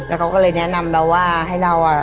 แล้วเขาก็เลยแนะนำเราว่าให้เราอ่ะ